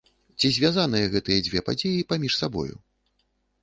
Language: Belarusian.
Ці звязаныя гэтыя дзве падзеі паміж сабою?